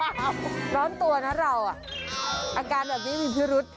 ร้อนตัวนะเราอาการแบบนี้มีพิรุษ